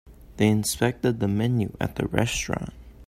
They inspected the menu at the restaurant.